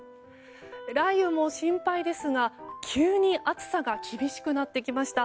雷雨も心配ですが急に暑さが厳しくなってきました。